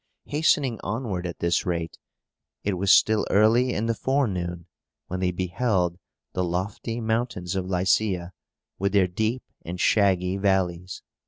Hastening onward at this rate, it was still early in the forenoon when they beheld the lofty mountains of Lycia, with their deep and shaggy valleys.